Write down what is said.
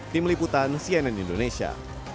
tim liputan cnn indonesia